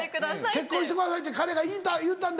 「結婚してください」って彼が言うたんだ。